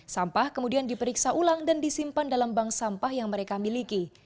sampah kemudian diperiksa ulang dan disimpan dalam bank sampah yang mereka miliki